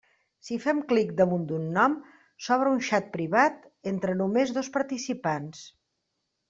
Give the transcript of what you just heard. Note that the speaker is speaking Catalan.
Si fem clic damunt d'un nom, s'obre un xat privat entre només dos participants.